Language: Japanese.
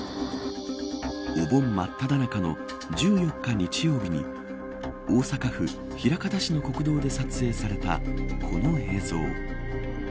お盆まっただ中の１４日、日曜日に大阪府枚方市の国道で撮影されたこの映像。